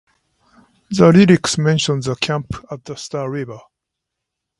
The lyrics mentions the camp at the Star River.